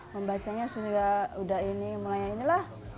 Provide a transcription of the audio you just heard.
membacanya sudah mulai ini lah